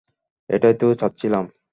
এটাই তো চাচ্ছিলাম।